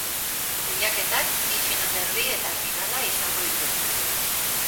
Lehiaketak bi finalerdi eta finala izango ditu.